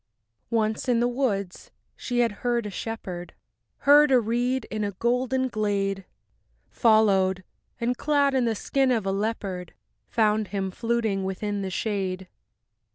II Once in the woods she had heard a shepherd, Heard a reed in a golden glade; Followed, and clad in the skin of a leopard, Found him fluting within the shade.